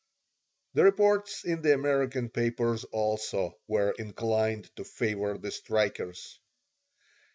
The reports in the American papers also were inclined to favor the strikers.